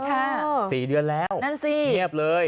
ค่ะนั่นสิ๔เดือนแล้วเงียบเลย